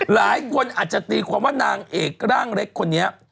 หลายคนอาจจะตีความว่านางเอกร่างเล็กคนนี้